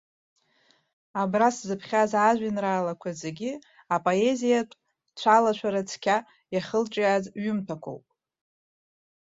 Абра сзыԥхьаз ажәеинраалақәа зегьы апоезиатә цәалашәара цқьа иахылҿиааз ҩымҭақәоуп.